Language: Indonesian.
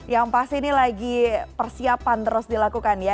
yang pasti ini lagi persiapan terus dilakukan ya